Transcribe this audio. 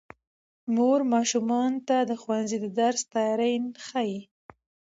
مور ماشومانو ته د ښوونځي د درس تیاری ښيي